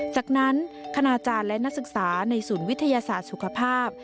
จากนั้นคณาจารย์และนักศึกษาในศูนย์วิทยาศาสตร์สุขภาพ